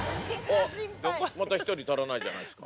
また１人足らないじゃないですか。